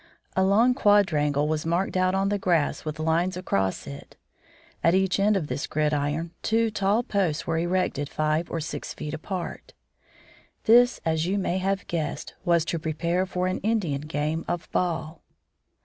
A long quadrangle was marked out on the grass with lines across it. At each end of this "gridiron" two tall posts were erected five or six feet apart. This, as you may have guessed, was to prepare for an Indian game of ball.